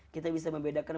kita bisa membedakan